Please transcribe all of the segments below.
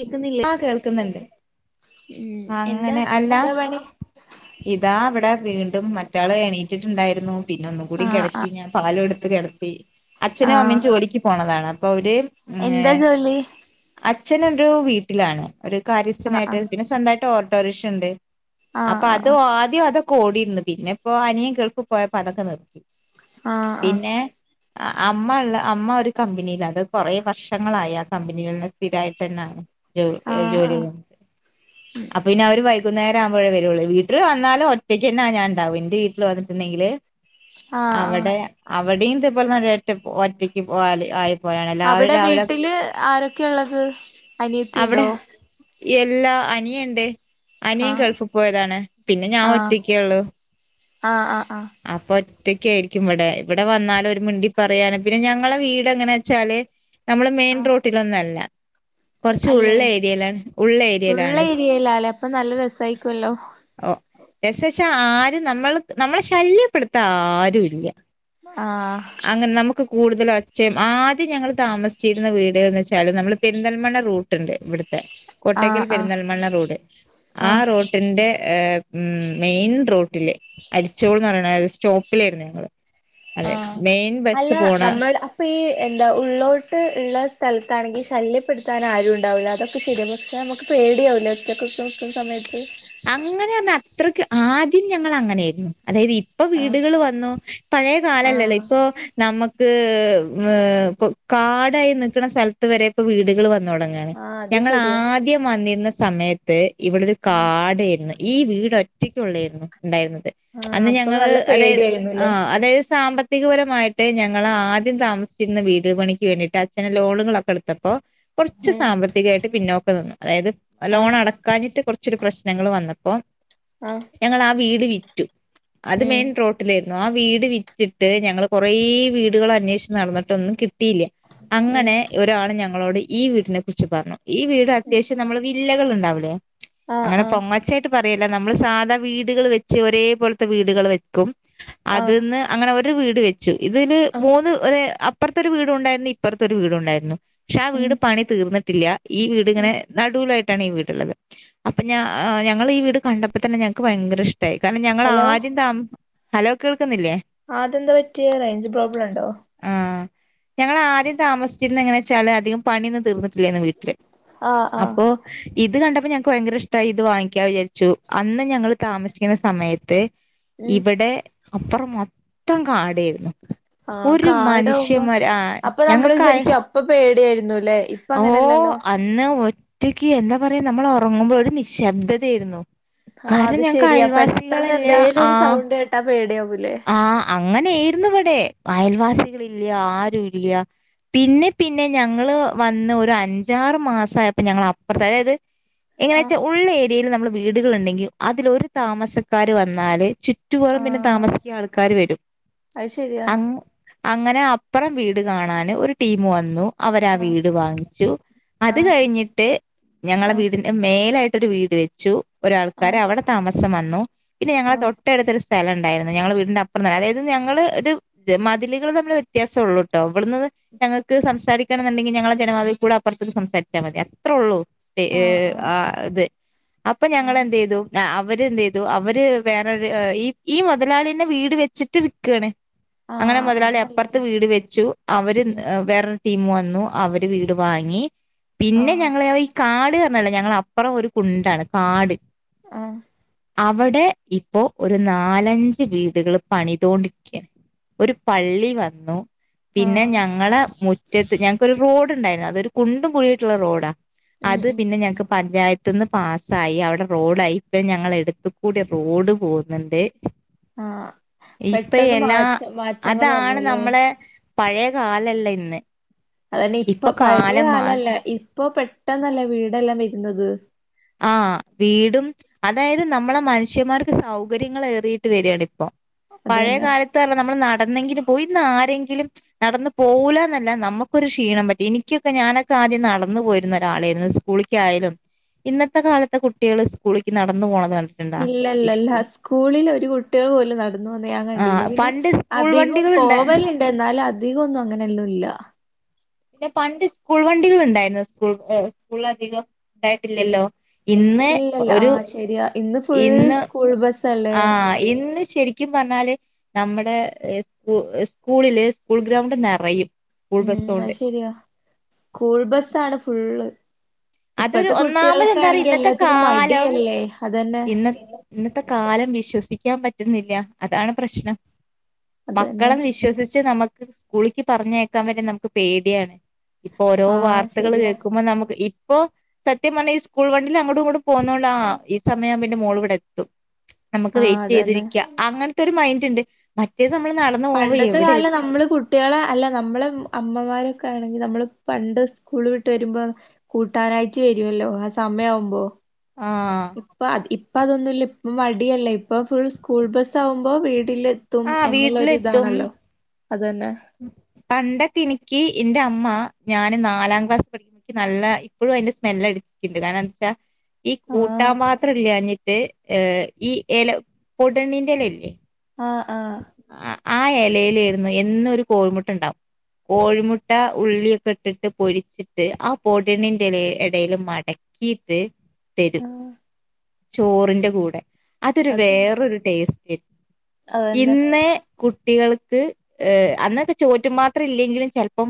കേക്കുന്നില്ലേ ആഹ് കേൾക്ക്ന്നുണ്ട് ഉം എന്താ അങ്ങനെ അല്ലാ എന്താ പണി ഇതാ ഇവിടെ വീണ്ടും മറ്റാള് എണീറ്റ്ട്ട്ണ്ടായിരുന്നു പിന്നെ ഒന്നും കൂടി ആഹ് കെടത്തി ആഹ് ഞാൻ പാല് കൊടുത്ത് കെടത്തി അച്ഛനും അമ്മേം ആഹ് ജോലിക്ക് പോണതാണ് അപ്പൊ അവര് എന്താ ഏഹ് ജോലി അച്ഛനൊരു വീട്ടിലാണ് ഒരു ആഹ് കാര്യസ്ഥനായിട്ട് പിന്നെ സ്വന്തായിട്ട് ഓട്ടോറിക്ഷ ഇണ്ട് ആഹ് അപ്പൊ അത് ആഹ് ആദ്യം അതൊക്കെ ഓടിയിര്ന്ന് പിന്നെ ഇപ്പോ അനിയൻ ഗൾഫ് പോയപ്പോ അതൊക്കെ നിർ ആഹ് ആഹ് ആഹ് പിന്നെ ആഹ് അമ്മ ഇള്ളെ അമ്മ ഒരു കമ്പനീലാ അത് കൊറെ വർഷങ്ങളായി ആ കമ്പനികളില് സ്ഥിരായിട്ട് തന്നെയാണ് ജോ ഏഹ് ആഹ് ആഹ് ജോലി ചെയ്യ്ന്ന് അപ്പൊ പിന്നെ അവര് വൈകുന്നേരം ആവുമ്പഴേ വരുള്ളൂ വീട്ടില് വന്നാലും ഒറ്റയ്ക്ക് തന്നാ ഞാണ്ടാവും ഇന്റെ വീട്ടില് വന്നിട്ടുണ്ടെങ്കില് ആഹ് ആഹ് അവടെ അവിടേം ഇതേ പോലെ ന ഒറ്റ ഒറ്റക്ക് പോ ആയി പോലാണ് എല്ലാവരും അവിടെ രാവിലെ വീട്ടില് ആരൊക്കെ ഒള്ളത് അനിയത്തി അവിടെ ഇണ്ടോ എല്ലാ അനിയണ്ട് അനിയൻ ആഹ് ഗൾഫി പോയതാണ് പിന്നെ ഞാൻ ആഹ് ഒറ്റക്കെ ഇള്ളു ആഹ് ആഹ് ആഹ് അപ്പൊ ഒറ്റക്കായിരിക്കും ഇവിടെ ഇവിടെ വന്നാലും ഒരു മിണ്ടി പറയാന് പിന്നെ ഞങ്ങളെ വീട് എങ്ങനെച്ചാല് ഞമ്മള് മെയിൻ ആഹ് റോട്ടിലൊന്നല്ലാ കൊറച്ച് അല്ലേ ഉള്ളേരിയയിലാണ് ഉള്ളേരിയയിലാണ് [unintelligible] അപ്പൊ നല്ല രസായിക്കുവല്ലോ ഓഹ് രസെച്ചാ ആരും നമ്മള് നമ്മളെ ശല്യപ്പെടുത്താ ആരു ഇല്ലാ ആഹ് അങ്ങനെ നമ്മക്ക് കൂടുതല് ഒച്ചേം ആദ്യം ഞങ്ങള് താമസിച്ചിരുന്ന വീട്ന്ന് വെച്ചാല് നമ്മള് പെരിന്തൽമണ്ണ റൂട്ട് ട്ട്ണ്ട് ഇവിടുത്തെ കോട്ടയ്ക്കൽ ആഹ് ആഹ് പെരുന്തൽമണ്ണ റോഡ് ആ ആഹ് റോട്ടിന്റെ ഏഹ് ഉം മെയിൻ റോട്ടില് അരിച്ചോൾന്ന് പറയണ സ്റ്റോപ്പിലായിരുന്നു ഞങ്ങള് അതെ ആഹ് മെയിൻ അല്ല ബസ്സ് പോണ നമ്മൾ അപ്പൊ ഈ എന്താ ഉള്ളോട്ട് ഇള്ള സ്ഥലത്താണെങ്കി ശല്യപ്പെടുത്താൻ ആരും ഇണ്ടാവൂല്ലാ അതൊക്കെ ശരിയാ പ പക്ഷെ നമ്മക്ക് പേടിയാവൂല്ലോ ഒറ്റക്കൊക്കെ നിക്കുന്ന സമയത്ത് അങ്ങനെ പറഞ്ഞാ അത്രയ്ക്ക് ആദ്യം ഞങ്ങൾ അങ്ങനെയായിരുന്നു അതായത് ഇപ്പൊ ആഹ് വീടുകള് വന്നു പഴയ കാലല്ലല്ലോ ആഹ് ഇപ്പൊ നമുക്ക് ക്ക് ഏഹ് കാടായി നിക്കുന്ന സ്ഥലത്ത് വരെ ഇപ്പോ വീടുകൾ വന്ന് തൊടങ്ങാണ് ആഹ് അത് ഞങ്ങള് ശരിയാ ആദ്യം വന്നിരുന്ന സമയത്ത് ഇവിടെരു കാ ഉം ടെയിരുന്നു ഈ വീട് ഒറ്റയ്ക്കൊള്ളായിരുന്നു ഉണ്ടായിരുന്നത് ആഹ് അന്ന് അപ്പൊ ഞങ്ങള് നല്ല അതായത് പേടിയായിരുന്നുല്ലേ ആഹ് അതായത് സാമ്പത്തി തികപരമായിട്ട് ഞങ്ങൾ ആദ്യം താമസിച്ചിരുന്ന വീട് പണിക്ക് വേണ്ടിട്ട് അച്ഛന് ലോണുകളൊക്കെ എടുത്തപ്പോ കുറച്ച് ഉം സാമ്പത്തികമായിട്ട് പിന്നോക്കം നിന്നു അതായത് ലോൺ ആഹ് അടക്കാഞ്ഞിട്ട് കുറച്ചൊരു പ്രശ് നങ്ങൾ വന്നപ്പോ ആഹ് ഞങ്ങള് ആ വീട് വിറ്റു അത് ഉം മെയിൻ റോഡ് അല്ലരുന്നു ആ വീട് വിറ്റിട്ട് ഞങ്ങള് കൊറേ വീടുകൾ അന്വേഷിച്ച് നടന്നിട്ട് ഒന്നും കിട്ട കിട്ടിയില്ല ഉം അങ്ങനെ ഒരാള് ഞങ്ങളോട് ഈ വീടിനെ കുറിച്ച് പറഞ്ഞു ഈ വീട് ഉം അത്യാവശ്യം നമ്മൾ ജില്ലകളുണ്ടോ അവിടെ ആഹ് അങ്ങനെ ആഹ് പൊങ്ങച്ചായിട്ട് പറയല്ല നമ്മള് സാധാ വീടുകൾ വെച്ച് ഒരേ പോലത്തെ വീടുകൾ വെ ക്കും ആഹ് അതിന്ന് അങ്ങനെ ഒരു വീട് വെച്ചു ഇതില് ആഹ് മൂന്ന് ഒര് അപ്പറത്ത് ഒരു വീടുണ്ടായിരുന്നു ഇപ്പുറത്തെ ഒരു വീടുണ്ടായിരുന്നു പക്ഷെ ആ ഉം വീട് പണി തീർന്നിട്ടില്ല ഈ വീടിങ്ങനെ നടുവലായിട്ടാണ് ഈ വീടുള്ളത് അപ്പൊ ഞാ ഞങ്ങള് ഈ വീട് കണ്ടപ്പോ തന്നെ ഞങ്ങൾക്ക് ഭയങ്കര ഇഷ്ടയി കാരണം ഞങ്ങള് ഹലോ ആരും ത ഹലോ കേൾക്കുന്നില്ലേ അതെന്താ പറ്റിയ റേഞ്ച് പ്രോബ്ലം ഉണ്ടോ ഞങ്ങള് ആദ്യം താമസിച്ചിരുന്ന എങ്ങനെ വെച്ചാല് അധികം പണി ഒന്നും തീർന്നിട്ടില്ലേന്ന് വീട്ടില് ആഹ് ആഹ് അപ്പോ ഇത് കണ്ടപ്പോ ഞങ്ങ ക്ക് ഭയങ്കര ഇഷ്ടായി ഇത് വാങ്ങിക്കാ വിചാരിച്ചു അന്ന് ഞങ്ങള് താമസിക്കുന്ന സമയത്ത് ഉം ഇബടെ അപ്പുറം മൊത്തം കാടായിരുന്നു ആഹ് ഒരു കാടാവുമ്പോ മനുഷ്യന്മാർ ആഹ് അപ്പൊ നമ്മള് ഞങ്ങൾക്കായ വിചാരിക്കും അപ്പൊ പേടിയായിരുന്നുല്ലേ ഇപ്പ ഓഹ് അങ്ങനെയല്ലല്ലോ അന്ന് ഒറ്റക്ക് എന്താ പറയാ നമ്മൾ ഉറങ്ങുമ്പോൾ ഒരു നിശബ്ദതയായിരുന്നു ആഹ് അത് കാരണം ഞങ്ങക്ക് ശെരിയാ പെട്ടെന്ന് അയൽവാസികളില്ല എന്തേലും ഒരു ആഹ് സൗണ്ട് കേട്ടാ പേടിയാവൂല്ലേ ആഹ് അങ്ങനെ ആയിരുന്നു ഇവിടെ അയൽവാസികൾ ഇല്ല ആരും ഇല്ല പിന്നെ പിന്നെ ഞങ്ങള് വന്ന് ഒരു അഞ്ചാറ് മാസയപ്പോ ഞങ്ങ അപ്പുറത്ത് അതായത് എങ്ങനെയ ആഹ് വെച്ചാ ഉള്ള ഏരിയലിൽ നമ്മള് വീടുകൾ ഉണ്ടെങ്കിൽ അതിൽ ഒരു താമസക്കാര് വന്നാല് ചു റ്റൂപുറം പിന്നെ ആഹ് താമസിക്കാൻ ആൾക്കാാര് വരും അത് ശെരിയാ അങ്ങനെ അപ്പുറം വീട് കാണാന് ഒരു ടീം വന്നു അവരാ ആഹ് വീട് വാങ്ങിച്ചു അത് ആഹ് കഴിഞ്ഞിട്ട് ഞങ്ങളെ വീടി മേലായിട്ടൊരു വീട് വെച്ചു ഒരാൾക്കാര് ആഹ് അവിടെ താമസം വന്നു പിന്നെ ഞങ്ങള തൊ ആഹ് ട്ടടുത്തൊരു സ്ഥല ഉണ്ടായിരുന്നു ഞങ്ങളെ വീടിന്റെ അപ്പുറം തന്ന അതായത് ഞങ്ങള് ഒരു മതിലുകൾ തമ്മിൽ ഒരു വ്യത്യാസം ഉള്ളൂട്ടോ ഇവിടുന്ന് ഞങ്ങൾക്ക് സംസാരിക്കണന്നുണ്ടെങ്കിൽ ഞങ്ങളുടെ ജനവാതി കൂടെ അപ്പറത്തേക്ക് സംസാരിച്ചാ മതി അത്രേ ഉള്ളൂ ഏഹ് ആഹ് അത് അപ്പൊ ആഹ് ഞങ്ങള് ആഹ് എന്ത് ചെയ്തു അവര്ന്ത് ചെയ്തു അവര് വേറൊരു ഈ മത മുതലാളിന്നെ വീട് വെച്ചിട്ട് വിക്കാണ് അങ്ങനെ ആഹ് അത് മുതലാളി അപ്പുറത്ത് നല്ലതാ വീട് വെച്ചു അവര് ഉം വേറൊരു ടീം വന്നു അവര് വീട് വാങ്ങി പിന്നെ ആഹ് ഞങ്ങള് ഈ കാട് ഒന്നുല്ല ഞങ്ങള് അപ്പുറം ഒരു കുണ്ടാണ് കാട് ആഹ് അവിടെ ഇപ്പോ ഒരു നാലഞ്ച് കു വീടുകൾ പണിതോണ്ടിരിക്ക ഒരു പള്ളി വന്നു പിന്നെ ആഹ് ഞങ്ങളെ മുറ്റത്ത് ഞങ്ങക്കരു റോഡ് ഉണ്ടായിരുന്നു അതൊരു കുണ്ടും കുഴിയുള്ള റോഡാ ഉം അത് ഉം പിന്നെ ഞങ്ങക്ക് പഞ്ചായത്ത് പഞ്ചായത്ത്‌ന്ന് പാസ്സായി അവിടെ റോഡായി ഇപ്പ ഞങ്ങളെ എടുത്ത് കൂടെ റോഡ് പോകുന്നുണ്ട് ആഹ് ഇപ്പ പെട്ടെന്ന് എല്ലാ മാറ്റ മാറ്റങ്ങൾ അതാണ് വന്നൂല്ലേ നമ്മളെ പഴയ കാലല്ലാ ഇന്ന് അതന്നെ ഇപ്പൊ പഴയ കാലം മാറി കാലല്ല ഇപ്പൊ പെട്ടന്നല്ലെ വീടെല്ലാം വരുന്നത് ആഹ് വീടും അതായത് നമ്മളെ മനുഷ്യന്മാർക്ക് സൗകര്യങ്ങൾ ഏറിയിട്ട് വരികാണ് ഇപ്പോ അത് തന്നെ പഴയകാലത്ത് ഇല്ല നമ്മൾ നടന്നെങ്കിലും പോയിന്ന് ആരെങ്കിലും നടന്ന് പോകൂലാന്നല്ല നമുക്കൊരു ക്ഷീണം പറ്റും എനിക്കൊക്കെ ഞാനൊക്കെ ആദ്യം നടന്നു പോയിരുന്ന ഒരാളായിരുന്നു സ്കൂളിക്ക് ആയാലും ഇന്നത്തെ കാലത്തെ കുട്ടികൾ സ്കൂളിലക്ക് നടന്നു പോകുന്നത് കണ്ടോ ണ്ട ഇല്ലല്ലല്ല സ്കൂളിൽ ഒരു കുട്ടികൾ പോലും നടന്നുന്ന് ഞാൻ ആ കണ്ടില്ല പിന്നെ പണ്ട് സ്കൂൾ അധികം വണ്ടികളുണ്ട് പോവലുണ്ട് എന്നാലും അധികം ഒന്നും അങ്ങനെല്ലും ഇല്ല പിന്നെ പണ്ട് സ്കൂൾ വണ്ടികൾ ഉണ്ടായിരുന്നു സ്കൂൾക്ക്‌ സ്കൂൾ അധികം ഉണ്ടായിട്ടില്ലല്ലോ ഇന്ന് ഇല്ലല്ല ഒരു ആഹ് ശരിയാ ഇന്ന് ഫുൾ ഇന്ന് സ്കൂൾ ബസ്സല്ലേ ആഹ് ഇന്ന് ശരിക്കും പറഞ്ഞാല് നമ്മുടെ സ്കൂ സ്കൂളില് സ്കൂൾ ഗ്രൗണ്ട് നിറയും സ്കൂൾ ഉം ബസ്സോണ്ട് അത് ശെരിയാ സ്കൂൾ ബസ്സ് ആണ് ഫുള്ള് അതൊരു ഇപ്പത്തെ ഒന്നാമത് എന്താ കുട്ടികൾക്കാണെങ്കിൽ എല്ലത്തിനും മടിയല്ലേ അതന്നെ ഇന്ന് ഇന്നത്തെ കാലം വിശ്വസിക്കാൻ പറ്റുന്നില്ല അതാണ് പ്രശ്നം അതന്നെ മക്കളെ വിശ്വസിച്ച് നമുക്ക് സ്കൂളിക്ക് പറഞ്ഞേക്കാൻ വരെ നമുക്ക് പേടിയാണ് ഇപ്പൊ ഓരോ ആഹ് വാർത്തകൾ ശരിയാ കേൾക്കുമ്പോ നമുക്ക് ഇപ്പൊ സത്യം പറഞ്ഞാൽ ഈ സ്കൂൾ വണ്ടിയിൽ അങ്ങോട്ടും ഇങ്ങോട്ടും പോകുന്നോണ്ടാ ആ ഈ സമയംന്റെ മോൾ ഇവിടെ എത്തും നമുക്ക് ആഹ് വെയിറ്റ് അതന്നെ ചെയ്തിരിക്ക അങ്ങനത്തെ ഒരു മൈൻറ് ഉണ്ട് മറ്റേത് നമ്മള് നടന്നു പോവ പണ്ടത്തെ എവിടെ കാലം നമ്മള് കുട്ടികളെ അല്ല നമ്മളെ അമ്മമാരൊക്കെ ആണെങ്കിൽ നമ്മള് പണ്ട് സ്കൂള് വിട്ട് വരുമ്പോൾ കൂട്ടാനായിട്ട് വരുമല്ലോ ആ സമയം ആവുമ്പോ ആഹ് ഇപ്പ ഇപ്പ അതൊന്നുമില്ല ഇപ്പ മടിയല്ലെ ഇപ്പൊ ഫുൾ സ്കൂൾ ബസ് ആവുമ്പോ വീട്ടില് തും ആഹ് എന്നുള്ള വീട്ടിലെത്തും അതന്നെ പണ്ടൊക്കെ എനിക്ക് ഇന്റെ അമ്മ ഞാന് നാലാം ക്ലാസ് പഠിക്ക എനിക്ക് നല്ല ഇപ്പോഴും അതിന്റെ സ്മെല് എടുിച്ചിട്ടുണ്ട് കാരണം എന്താ വെച്ചാ ഈ കൂട്ടാ ആഹ് പാത്രമില്ലാഞ്ഞിട്ട് ഏർ ഈ ഇല പൊടണ്ണിന്റെ ഇല ഇല്ലേ ആഹ് ആഹ് ആ ആ ഇലയിലായിരുന്നു എന്ന ഒരു കോഴിമുട്ടണ്ടാവും കോഴിമുട്ട ഉള്ളിയൊക്കെ ഇട്ടിട്ട് പൊരിച്ചിട്ട് ആ പൊടണിന്റെ ഇലയിൽ ഇടൽ മടക്ക ഇത് തരും ആഹ് ചോറിന്റെ കൂടെ അതൊരു അത് വേറൊരു ടേസ്റ്റ് കിട്ടും അതന്നെ ഇന്ന് കുട്ടികൾക്ക് ഏ അന്നൊക്കെ ചോറ്റു പാത്രം ഇല്ലെങ്കിലും ചെലപ്പം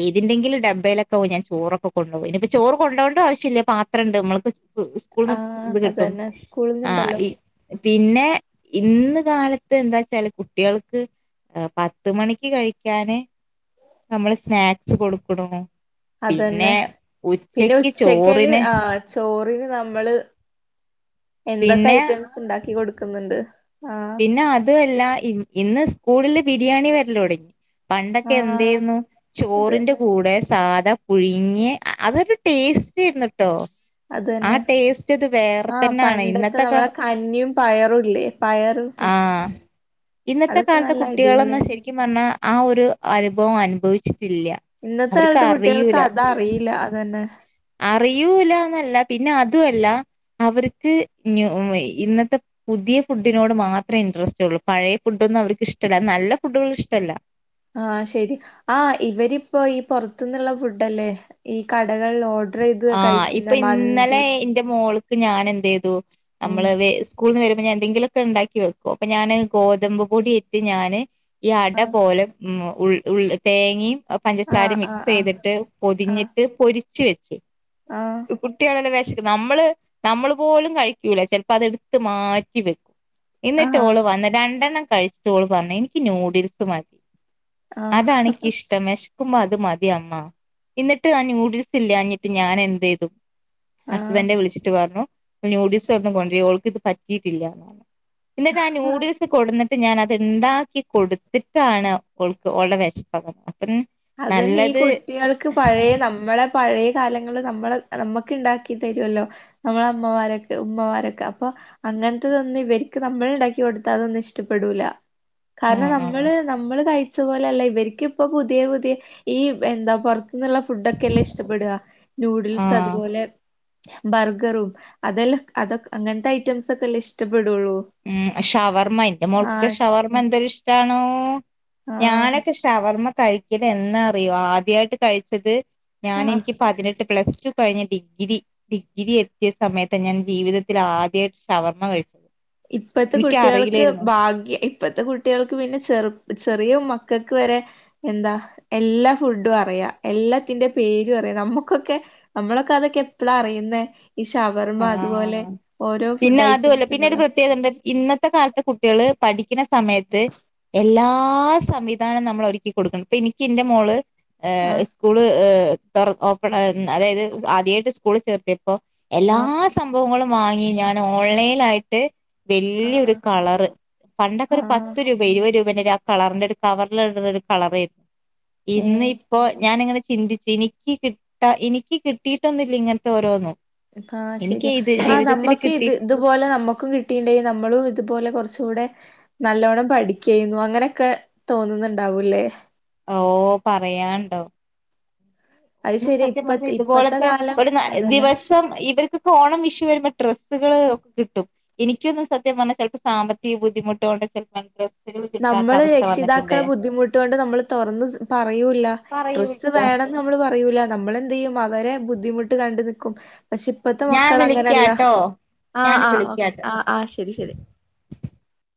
എഏതെങ്കിലും ഡബയിലൊക്കെ പോയിഞാൻ ചോറൊക്കെ കൊണ്ടോകും പിന്നെപ്പോ ചോറ് കൊണ്ടോവേണ്ട ആവശ്യമില്ല പാത്രം ഉണ്ട് നമ്മൾക്ക് സ്കൂൾന്ന് ആഹ് ഇത് കിട്ടും അതന്നെ ആ സ്കൂളിന്നുണ്ടല്ലോ പിന്നെ ഇന്ന് കാലത്ത് ഇപ എന്താച്ചാല് കുട്ട്യാൾക്ക് ഏഹ് പത്ത് മണിക്ക് കഴിക്കാന് - നമ്മള് സ്നാക്സ് കൊടുക്ക്‌ണൂ പിന്നെ അതന്നെ പിന്നെ ഉച്ചക്ക് ഉച്ചക്കല് ചോറിന് ആഹ് ചോറിന് നമ്മള് എന്തൊക്ക പിന്നെ അയ്റ്റം സ് ഇണ്ടാക്കി കൊട്ക്ക്‌ന്ന്ണ്ട്. ആഹ് പിന്നെ അതുവല്ല ഇ ഇന്ന് സ്കൂള്ല് ബിരിയാണി വര്ലൊടങ്ങി. പണ്ടൊക്കെ ആഹ് എന്തേര്ന്നു ചോറിന്റെ അതന്നെ കൂടെ സാധ പുയ്ങ്യേ അ അതൊരു ടേസ്റ്റേര്ന്നുട്ടോ. അതന്നെ ആഹ് ടേസ്റ്റത് വേറെത്തന്നാണെ ഇന്നത്തൊക്ക- അഞി പയറൂല്ലെ പയറ്? ആഹ്. ഇന്നത്തെ അതൊക്കെ കാലത്തെ നല്ല കുട്ടീളൊന്ന് അടിപൊളിയാ ശരിക്ക്‌ - പറ്ഞ്ഞാ ആഹ് ഒര് അനുഭവം അനുഭവിച്ചിട്ടില്ല. ഇന്നത്തെ അവർക്ക് കാല്ത്ത് കുട്ട്യാൾക്ക്‌ അതറീല്ല അതന്നെ. അറിയൂലാന്നല്ല പിന്ന അതുവല്ല അവര്ക്ക് നൂ ഈ ഇന്നത്തെ- പുത്യ ഫുഡിനോട് മാത്രെ ഇൻഡ്രസ്റ്റൊള്ളു പഴയ ഫുഡൊന്നും അവര്ക്ക് ഇഷ്ടല്ല അതും നല്ല ഫുഡ്ഡ്കളും ഇഷ്ടല്ല. ആഹ് ശരി ആഹ് ഇവരിപ്പൊ ഈ പൊറത്ത്ന്ന്ള്ള ഫുഡല്ലെ ഈ കടകൾല് ഓ ആഹ് ഇപ്പൊ ഇന്നലേ ഇന്റെ മോൾക്ക് ഞാനെന്തീതു ഉം ഞമ്മള് വേ- സ്കൂള്ന്ന് വരുമ്പൊ ഞാൻ എന്തെങ്കിലൊക്കെ ഇണ്ടാക്കി വെക്കും. അപ്പൊ ഞാന് ഗോതമ്പ്പൊടി ഇട്ട് ഞാന്- ഈ അട ആഹ് പോലെ ഉം ഉൾ ഉൾ തേങ്ങീം ആഹ് പഞ്ചസാരിം ആഹ് മിക്സ്തിട്ട് ആഹ് പൊതിഞ്ഞിട്ട് പൊരിച്ച് വെച്ചു. ആഹ് കുട്ടീളല്ലെ വെഷ- ഇന്ന്ട്ട് നമ്മള് നമ്മള് പോലും കഴിക്കൂല ചെൽപ്പൊ അതെട്ത്ത് മാറ്റി വെ ഇന്ന്ട്ട് ആഹ് ഓള് വന്ന് രണ്ടെണ്ണം കഴിച്ചിട്ട് ഓള് പറഞ്ഞ് എനിക്ക് ന്യൂഡിൽസ് മതി. ആഹ് അതാണ് ഇക്കിഷ്ടം. വെഷക്കുമ്പൊ അത് മതിയമ്മ ഇന്നിട്ട് ആഹ് ന്യൂഡിൽ- സ് ഇല്ലാഞ്ഞ്ട്ട് ഞാനെന്തെയ്തു ആഹ് ഹസ്ബന്റ്നെ വിളിച്ചിട്ട് പറഞ്ഞു. ന്യൂഡിൽസ് അവുട്ന്ന് കൊണ്ട്രീം ഓൾക്ക്ത് പറ്റീട്ടില്ല. ഇന്ന്ട്ട് ആഹ് ന്യൂഡിൽസ് കൊട്ന്ന്- ട്ട് ഞാനത് ഇണ്ടാക്കി കൊട്ത്തിട്ടാണ് ഓൾക്ക് ഓൾടെ വെഷപ്പ് മാ ഇമ്. അതന്നെ ഈ കുട്ടീൾക്ക് പഴേ നമ്മളെ- പഴയ കാലങ്ങള് നമ്മള് നമ്മക്ക് ഇണ്ടാക്കി തരൊ അല്ലൊ - നമ്മളെ അമ്മമാരൊക്ക ഉമ്മമാരൊക്ക അപ്പൊ- അങ്ങൻത്തതൊന്നും ഇവര്ക്ക് നമ്മള്ണ്ടാക്കി കൊട്ത്താലൊന്ന് ഇഷ്ട്ടപ്പെടൂല. കാര്ണം ആഹ് നമ്മള് നമ്മള് കഴിച്ച പോലല്ല ഇവര്ക്ക് ഇപ്പൊ പുതിയ പുതി- പ്പി ഈ എന്താ പൊറത്ത്ന്ന്ള്ള ഫുഡൊക്കല്ലെ ഇഷ്ടപ്പെട നൂഡിൽസ് ആഹ് അതുപോലെ ബർഗറും അതല്ലെ അതൊ അങ്ങൻത്ത ഐറ്റംസൊക്കല്ലെ ഇഷ്ടപ്പെടൊള്ളൂ. ഉം ഷവർമ്മ ഇന്റെ മോൾക്ക്‌ ഷവർമ്മ എന്തൊര് ഇഷ്ടാണോ ആഹ് ഞാനൊ- ഷവർമ്മ കഴിക്കലെന്ന അറിയോ ആദ്യായിട്ട് കഴിച്ചത്? ആഹ് ഞാനെൻക്ക്‌ പതിനെട്ട് പ്ലസ്റ്റ്ട്ടു - കഴിഞ്ഞ് ഡിഗിരി ഡിഗിരി എത്തിയ സമയത്താ ഞാൻ ജീവിതത്തിലാധ്യായിട്ട് ഷവർമ്മ കഴിച്ചത്. ഇപ്പത്തെ കുട്ടീൾക്ക് എനിക്കറിയില്ലായിരുന്നു ഭാഗ്യ- ഇപ്പത്തെ കുട്ടീൾക്ക് പിന്ന ചെറ് ചെറീ മക്കക്ക് വരെ- എന്ത എല്ലാ ഫുഡും അറിയ എല്ലത്തിന്റെ പേരും അറിയ നമ്മക്കൊക്കെ നമ്മളൊക്ക അതൊക്കെ എപ്പളാ അറിയ്ന്നെ? ഈ ഷവർ- ആഹ് പിന്നെ അതു അല്ല ഐറ്റംസ് പിന്നെ ഒരു ഉണ്ടല്ലോ പ്രത്യേകതണ്ട് ഇന്നത്തെ കാല- ത്തെ കുട്ട്യാള് പഠിക്ക്‌ണ സമയത്ത് എല്ലാ സംവിധാനം നമ്മളൊരുക്കി കൊടുക്ക്‌ണ് ഇപ്പൊ ഇനിക്ക് ഇന്റെ മോള്- ഏഹ് ആഹ് സ്കൂള് ഏഹ് തൊറ ഓപ്പണായ ഇമ് അതായത് ആധ്യായിട്ട് സ്കൂള് ചേർത്ത്യേപ്പൊ എല്ലാ ആഹ് സംഭവങ്ങളും വാങ്ങി ഞാനോൺലൈനായിട്ട് ആഹ് വല്ല്യൊര് ആഹ് കളറ്. പണ്ടൊക്കെ ഒരു ആഹ് പത്ത് രൂപെ ഇരുവഹ് രൂപേന്റെ ഒരു ആ കളറിന്റെ ഒരു കവർല് ഇട്ണെര് കളറേന്നു. ഇന്ന് ഏഹ് ഇപ്പൊ ഞാന്ങ്ങനെ ചിന്തിച്ചു, ഇനി ക്ക് കിട്ട ഇനിക്ക് കിട്ടീട്ടൊന്നും ഇല്ലിങ്ങൻത്തെ ഓരോന്നും. ആഹ് എനിക്ക് ശരിയാ. ഇത് ആ ജീവിതത്തിൽ നമ്മക്ക് ഇത്, കിട്ടി ഇത്. ഇതുപോലെ നമ്മുക്കും കിട്ടിണ്ടെങ്കി നമ്മളും ഇതുപോലെ കൊറച്ചൂടെ. നല്ലോണം പഠിക്കെന്നു അങ്ങനെക്കെ തോന്നുന്നുണ്ടാവൂല്ലേ. ഓ പറയാണ്ടോ. അത് ഇ ശരി സത്യം ഇപ്പ പറഞ്ഞ ഇത് ഇപ്പത്തെ പോലത്തെ കാലം ഒരു നാല് അതന്നെ ദിവസ്. തം ഇവർക്ക്ക്കെ ഓണം വിഷു വരുമ്പോ ഡ്രസ്സുകള് ഒക്കെ കിട്ടും. എനിക്ക് ഒന്നും സത്യം പറഞ്ഞാ ചെലപ്പോ സാമ്പത്തിക ബുദ്ധിമുട്ട് കൊണ്ട് ഒക്കെ. ഞണ്ട് നമ്മള് രക്ഷിതാക്കളെ ബുദ്ധിമുട്ട് കൊണ്ട് നമ്മള് തൊറന്ന് പറയൂല്ല ഡ്രസ്സ് പറയൂല്ല വേണം. നമ്മള് പറയൂല നമ്മള് എന്ത് ചെയ്യും അവരെ ബുദ്ധിമുട്ട് കണ്ട് നിക്കും പക്ഷേ. ഇപ്പത്തെ ഞാൻ മക്കള് അങ്ങനെല്ല വിളിക്കാട്ടോ ആ, ഞാൻ ആ, ഓക്കെ വിളിക്കാട്ടോ ആ ആ ശരി ശരി.